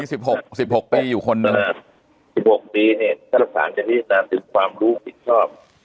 มี๑๖ปีอยู่คนนึง๑๖ปีนี่สรรพาณจะมีนาศึกความรู้ผิดชอบ